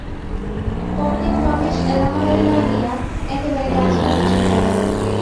পরদিন রমেশ এলাহাবাদে না গিয়া একেবারে গাজিপুরে চলিয়া গেল।